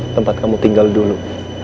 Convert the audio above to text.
tempat kamu tinggal dulu